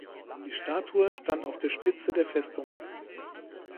Die Statue stand auf der Spitze der Festung.